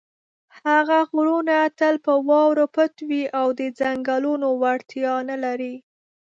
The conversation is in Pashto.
هغه غرونه تل په واورو پټ وي او د څنګلونو وړتیا نه لري.